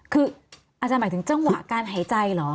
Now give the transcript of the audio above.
คืออาจารย์หมายถึงจังหวะการหายใจเหรอ